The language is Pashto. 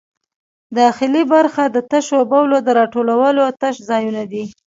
داخلي برخه د تشو بولو د راټولولو تش ځایونه دي.